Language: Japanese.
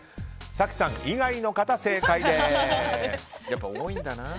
早紀さん以外の方正解です。